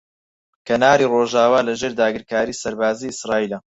کەناری ڕۆژاوا لەژێر داگیرکاریی سەربازیی ئیسرائیلە.